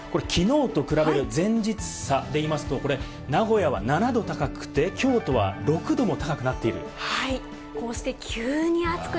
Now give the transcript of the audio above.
これ、きのうと比べる前日差で言いますとこれ、名古屋は７度高くて京都は６度も高くなっている。